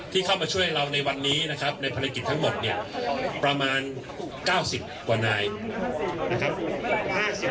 ที่เข้ามาช่วยเราในวันนี้นะครับในภารกิจทั้งหมดเนี่ยประมาณ๙๐กว่านายนะครับ